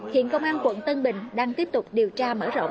hiện công an quận tân bình đang tiếp tục điều tra mở rộng